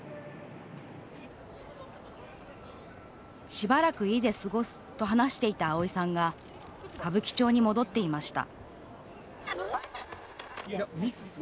しばらく、家で過ごすと話していた、あおいさんが歌舞伎町に戻っていました